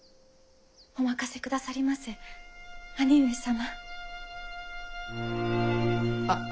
お任せくださりませ兄上様。